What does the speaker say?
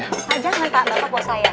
pak jangan pak bapak buat saya